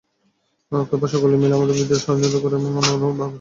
অতঃপর সকলে মিলে আমার বিরুদ্ধে ষড়যন্ত্র কর এবং আমাকে কোনরূপ অবকাশ দিও না।